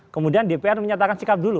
kemudian dpr menyatakan sikap dulu